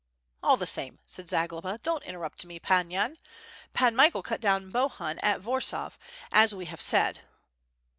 "All the same/' said Zagloba, "don't interrupt me. Pan Yan. Pan Michael cut down Bohun at Warsaw, as we have said."